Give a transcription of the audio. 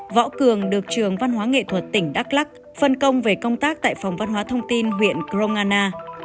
võ cường được trường văn hóa nghệ thuật tỉnh đắk lắc phân công về công tác tại phòng văn hóa thông tin huyện grongana